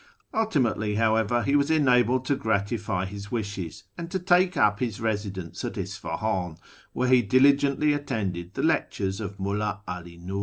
Ultimately, however, he was enabled to gratify his wishes, and to take up his residence at Isfahan, where he diligently attended the lectures of Mulld 'All Nun'.